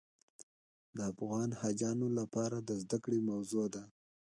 د افغان حاجیانو لپاره د زده کړې موضوع ده.